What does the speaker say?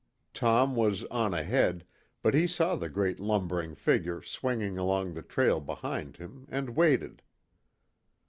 Tom was on ahead, but he saw the great lumbering figure swinging along the trail behind him, and waited.